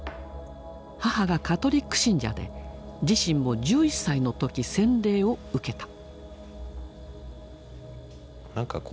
母がカトリック信者で自身も１１歳の時洗礼を受けた。